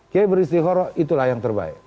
kiai beristighoro itulah yang terbaik